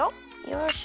よし。